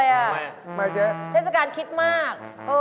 จุงกันไปจุงกันไปจุงกันไปพาวัดใหม่พี่เลน